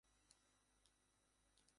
আমি ঠাকুরপোকে বলছিলুম তোমার শরণাপন্ন হতে।